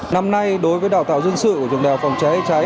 năm nay đối với đào tạo dân sự của trường đại học phòng cháy cháy